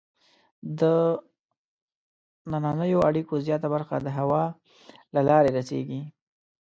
د دنننیو اړیکو زیاته برخه د هوا له لارې رسیږي.